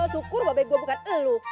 syukur babai gue bukan lo